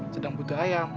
sedang butuh ayam